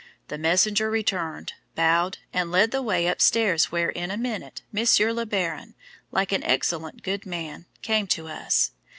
The messenger returned, bowed, and led the way up stairs, where in a minute Monsieur le Baron, like an excellent good man, came to us.